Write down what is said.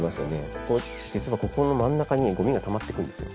ここ実はここの真ん中にごみがたまっていくんですよ。